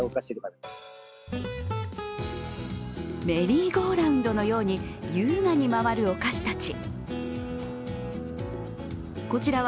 メリーゴーラウンドのように優雅に回るお菓子たち。